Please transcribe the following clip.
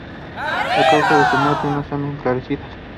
Las causas de su muerte no están esclarecidas.